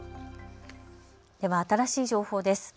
では新しい情報です。